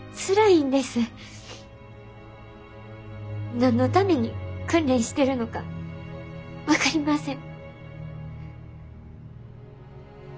何のために訓練してるのか分かりません。